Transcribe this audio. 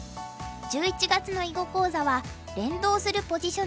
１１月の囲碁講座は「連動するポジショニング」。